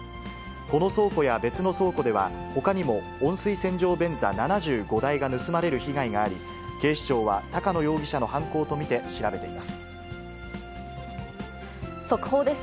この倉庫や別の倉庫では、ほかにも温水洗浄便座７５台が盗まれる被害があり、警視庁は高野容疑者の犯行と見て調べています。